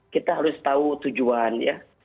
kita harus tahu tujuan ya